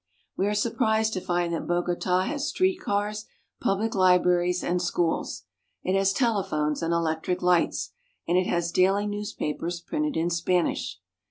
We are surprised to find that Bogota has street cars, public libraries, and schools. It has telephones and elec tric lights, and it has daily newspapers printed in Spanish.